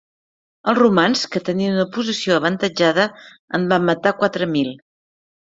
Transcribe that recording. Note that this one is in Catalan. Els romans, que tenien una posició avantatjada, en van matar quatre mil.